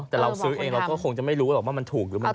แต่เราซื้อเองเราก็คงจะไม่รู้หรอกว่ามันถูกหรือมันถูก